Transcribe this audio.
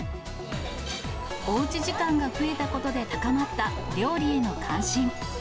おうち時間が増えたことで高まった料理への関心。